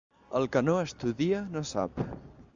El que no estudia no sap.